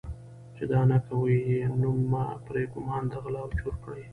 چې دا نه کوي یې نومه پرې ګومان د غله او چور کړي.